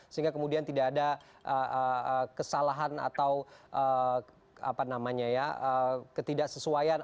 sehingga kemudian tidak ada kesalahan atau ketidaksesuaian